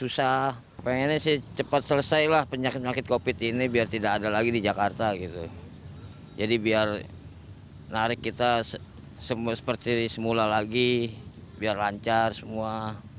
seperti semula lagi biar lancar semua